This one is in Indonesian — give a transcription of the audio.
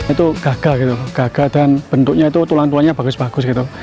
itu gagal gitu gagal dan bentuknya itu tulang tulangnya bagus bagus gitu